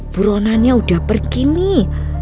buronannya udah pergi nih